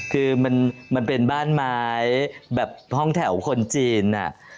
คือมันเป็นบ้านไม้แบบห้องแถวคนจีน